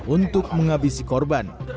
untuk menghabisi korban